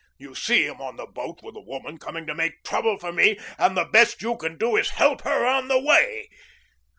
You see him on the boat with a woman coming to make trouble for me, and the best you can do is to help her on the way.